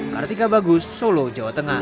kartika bagus solo jawa tengah